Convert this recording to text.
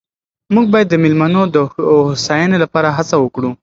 موږ باید د مېلمنو د هوساینې لپاره هڅه وکړو.